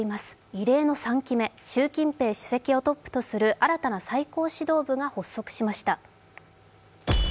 異例の３期目、習近平主席をトップとする新たな最高指導部がスタートしました。